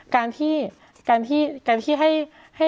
การที่ให้